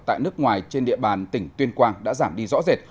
tại nước ngoài trên địa bàn tỉnh tuyên quang đã giảm đi rõ rệt